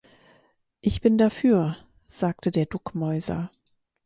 Ich bin dafür, sagte der Duckmäuser.